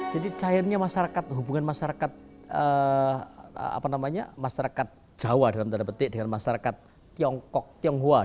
jadi cairnya hubungan masyarakat jawa dengan masyarakat tionghoa